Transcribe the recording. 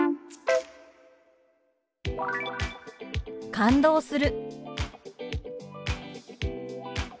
「感動する」。